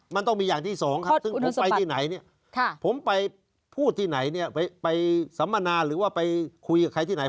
มันต้องมีอย่างที่สองครับซึ่งผมไปที่ไหนเนี่ยผมไปพูดที่ไหนเนี่ยไปสัมมนาหรือว่าไปคุยกับใครที่ไหน